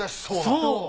そう！